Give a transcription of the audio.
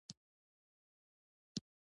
زه باور نشم کولی.